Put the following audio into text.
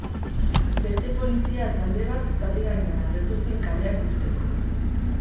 Beste polizia talde bat zaldi gainean agertu zen kaleak husteko.